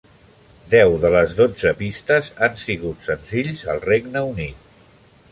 Deu de les dotze pistes han sigut senzills al Regne Unit.